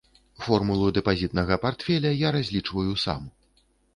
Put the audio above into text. Формулу дэпазітнага партфеля я разлічваю сам.